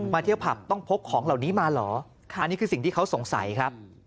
เที่ยวผับต้องพกของเหล่านี้มาเหรออันนี้คือสิ่งที่เขาสงสัยครับ